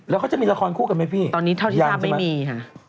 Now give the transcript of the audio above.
แล้วเขาจะมีละครคู่กันไหมพี่ตอนนี้เท่าที่ทราบไม่มีค่ะ